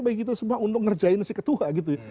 baik itu semua untuk ngerjain si ketua gitu ya